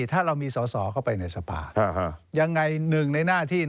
หรือทำสอบบ้านข้าบเฮียด